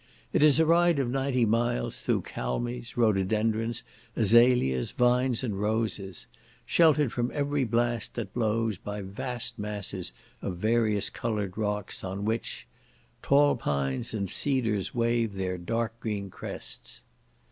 It is a ride of ninety miles through kalmies, rhododendrons, azalias, vines and roses; sheltered from every blast that blows by vast masses of various coloured rocks, on which "Tall pines and cedars wave their dark green crests."